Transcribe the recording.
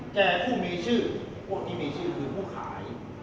แต่ผู้มีชื่อคนที่มีชื่อคือผู้ขาย